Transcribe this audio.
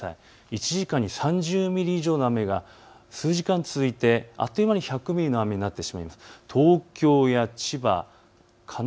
１時間に３０ミリ以上の雨が数時間続いてあっという間に１００ミリの雨になってしまう。